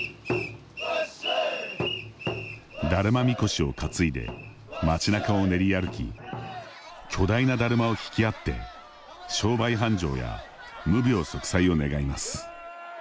ダルマみこしを担いで町なかを練り歩き巨大なダルマを引き合って商売繁盛や無病息災を願います。